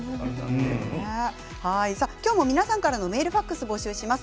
今日も皆さんからのメール、ファックスを募集します。